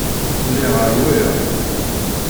Lliɣ rwiɣ.